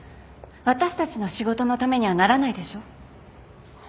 私たちの仕事のためにはならないでしょ？